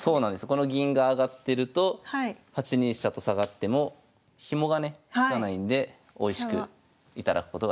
この銀が上がってると８二飛車と下がってもヒモがねつかないんでなるほど。